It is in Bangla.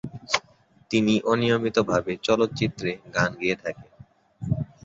তিনি অনিয়মিতভাবে চলচ্চিত্রে গান গেয়ে থাকেন।